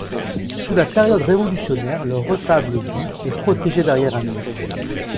Sous la période révolutionnaire le retable du est protégé derrière un mur.